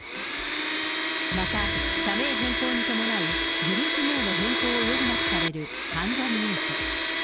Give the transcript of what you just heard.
また、社名変更に伴い、グループ名の変更を余儀なくされる関ジャニ∞。